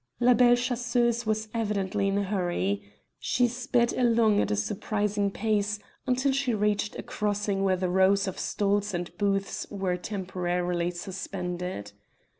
La Belle Chasseuse was evidently in a hurry. She sped along at a surprising pace, until she reached a crossing where the rows of stalls and booths were temporarily suspended.